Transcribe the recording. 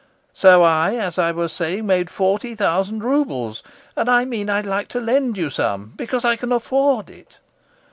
So I, as I was saying, made forty thousand roubles, and I mean I'd like to lend you some, because I can afford it.